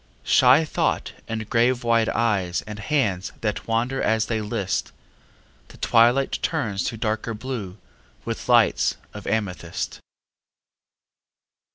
Shy thought and grave wide eyes and hands That wander as they listâ The twilight turns to darker blue With lights of amethyst.